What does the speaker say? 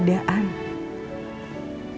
supaya dia bisa menerima keadaan